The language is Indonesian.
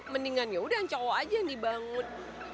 mendingan yaudah cowok aja yang dibangun